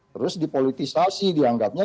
terus dipolitisasi dianggapnya